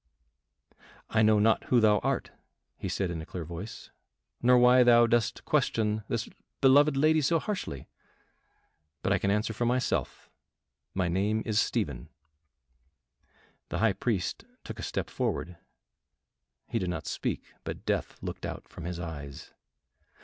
"I know not who thou art," he said in a clear voice, "nor why thou dost question this beloved lady so harshly, but I can answer for myself. My name is Stephen." The High Priest took a step forward; he did not speak, but death looked out from his eyes.